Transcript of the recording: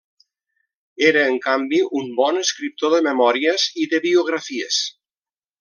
Era, en canvi, un bon escriptor de memòries i de biografies.